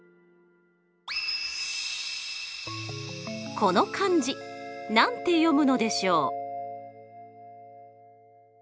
この漢字何て読むのでしょう？